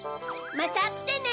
またきてね。